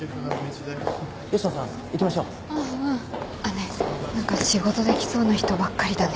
ねえ何か仕事できそうな人ばっかりだね。